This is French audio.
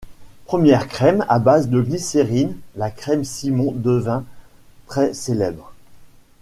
Première crème à base de glycérine, la Crème Simon devint très célèbre.